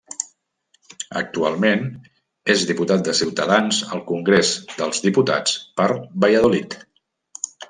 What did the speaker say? Actualment, és Diputat de Ciutadans al Congrés dels Diputats per Valladolid.